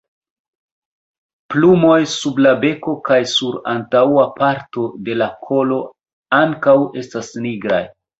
Plumoj sub la beko kaj sur antaŭa parto de la kolo ankaŭ estas nigraj.